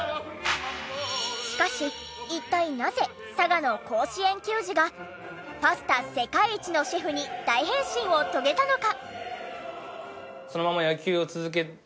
しかし一体なぜ佐賀の甲子園球児がパスタ世界一のシェフに大変身を遂げたのか？